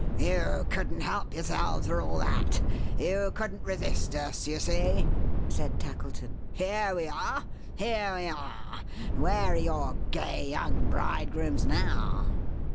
"You couldn't help yourselves, for all that. You couldn't resist us, you see," said Tackleton. "Here we are! Here we are! Where are your gay young bridegrooms now!"